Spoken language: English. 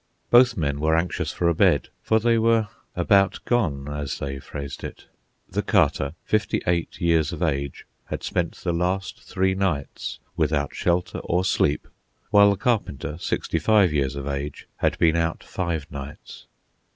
Both men were anxious for a bed, for they were "about gone," as they phrased it. The Carter, fifty eight years of age, had spent the last three nights without shelter or sleep, while the Carpenter, sixty five years of age, had been out five nights.